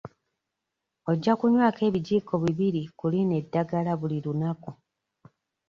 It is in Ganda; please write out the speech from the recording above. Ojja kunywako ebijiiko bibiri ku lino eddagala buli lunaku.